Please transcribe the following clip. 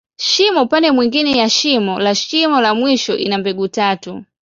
Shimo upande mwingine ya mwisho la shimo la mwisho, ina mbegu tatu.